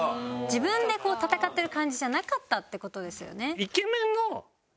自分で戦ってる感じじゃなかったって事ですよね。